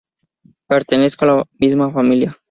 Pertenezco a la misma familia.